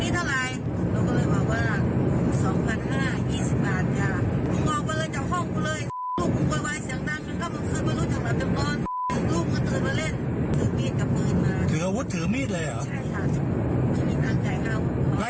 ใช่ถืออาวุธถือมีดตั้งแต่๕๖นาที